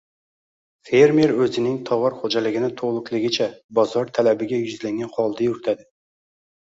fermer o‘zining tovar xo‘jaligini to‘liqligicha bozor talabiga yuzlangan holda yuritadi».